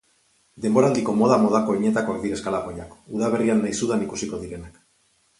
Denboraldiko moda-modako oinetakoak dira eskalapoiak, udaberrian nahiz udan ikusiko direnak.